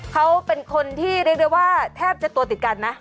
เขาเป็นคนที่เรียกได้ว่าแทบจะตัวติดกันนะ